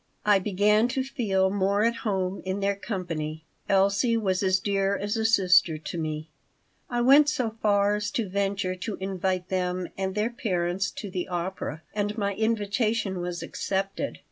I began to feel more at home in their company. Elsie was as dear as a sister to me. I went so far as to venture to invite them and their parents to the opera, and my invitation was accepted.